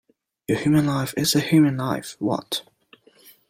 A human life is a human life, what?